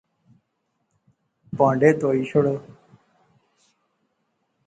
پہانڈے تہوئی شوڑو